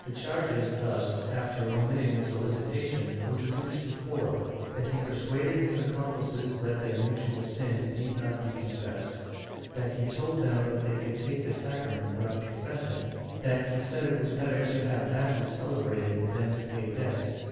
The charges thus, after omitting the solicitation, were reduced to four — that he persuaded his accomplices that their mutual sin need not be confessed, that he told them that they could take the sacrament without confessing, that he said it was better to have masses celebrated than to pay debts, and that ^ Archive hist, nacional, Inq.